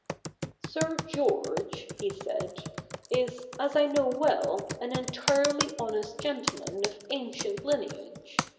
' Sir George,' he said, ' is, as I know well, an entirely honest gentleman of ancient lineage.